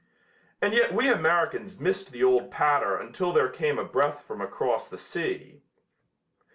And yet we Americans missed the old patter until there came a breath from across the sea.